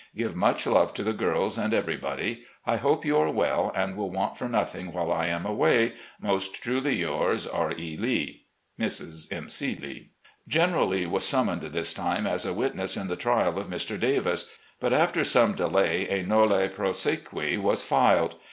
Give much love to the girls and every body. I hope you are well and will want for nothing while I am away. Most truly yours, "Mrs. M. C. Lee. R. E. Lee." General Lee was summoned this time as a witness in the trial of Mr. Davis, but after some delay a nolle prosequi was filed.